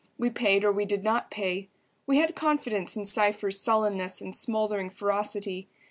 We paid or we did not pay. We had confidence in Cypher's sullenness and smouldering ferocity.